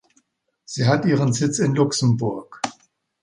Sie hat ihren Sitz in Luxemburg.